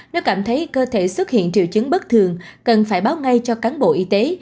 nếu cảm thấy cơ thể xuất hiện triệu chứng bất thường cần phải báo ngay cho cán bộ y tế